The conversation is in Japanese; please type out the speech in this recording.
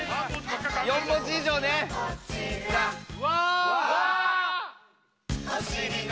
４文字以上ね「わ」